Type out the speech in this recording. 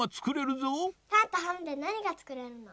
パンとハムでなにがつくれるの？